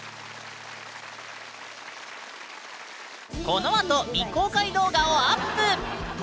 このあと未公開動画をアップ！